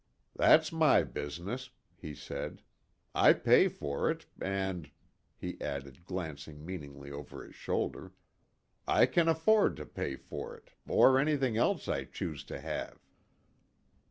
"That's my business," he said. "I pay for it, and," he added, glancing meaningly over his shoulder, "I can afford to pay for it or anything else I choose to have."